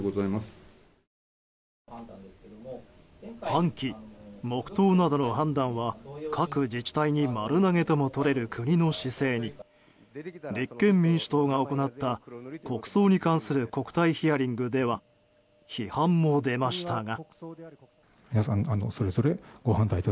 半旗、黙祷などの判断は各自治体に丸投げともとれる国の姿勢に立憲民主党が行った国葬に関する国対ヒアリングでは批判も出ましたが。